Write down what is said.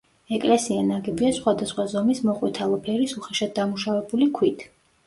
ეკლესია ნაგებია სხვადასხვა ზომის მოყვითალო ფერის უხეშად დამუშავებული ქვით.